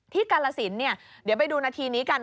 ที่กาลสินเดี๋ยวไปดูนาทีนี้กัน